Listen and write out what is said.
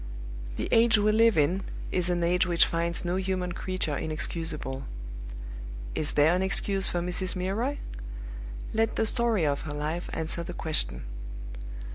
The age we live in is an age which finds no human creature inexcusable. Is there an excuse for Mrs. Milroy? Let the story of her life answer the question.